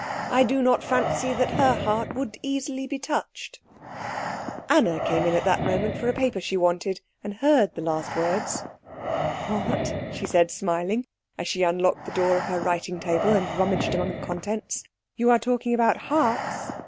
I do not fancy that her heart would easily be touched." Anna came in at that moment for a paper she wanted, and heard the last words. "What," she said, smiling, as she unlocked the drawer of her writing table and rummaged among the contents, "you are talking about hearts?